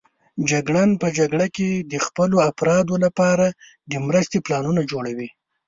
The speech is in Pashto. جګړن په جګړه کې د خپلو افرادو لپاره د مرستې پلانونه جوړوي.